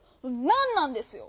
「ナン」なんですよ！